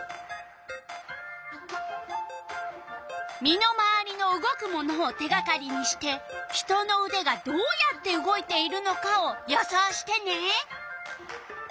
身の回りの動くものを手がかりにして人のうでがどうやって動いているのかを予想してね！